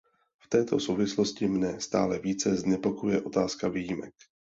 V této souvislosti mne stále více znepokojuje otázka výjimek.